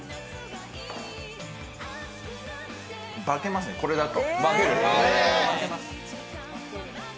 化けますね、これだと。